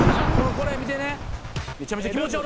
［これ見てね］